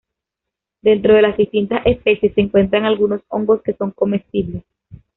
Dentro de las distintas especies, se encuentran algunos hongos que son comestibles.